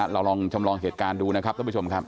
เราลองจำลองเหตุการณ์ดูนะครับท่านผู้ชมครับ